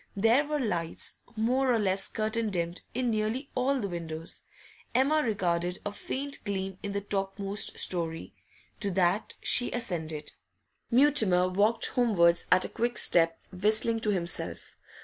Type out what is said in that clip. There were lights, more or less curtain dimmed, in nearly all the windows. Emma regarded a faint gleam in the topmost storey. To that she ascended. Mutimer walked homewards at a quick step, whistling to himself.